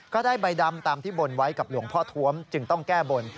ก็ได้ใบดำตามที่บนไว้กับหลวงพ่อทวมจึงต้องแก้บน